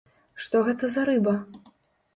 Што гэта за рыба?